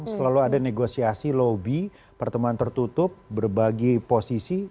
selalu ada negosiasi lobby pertemuan tertutup berbagi posisi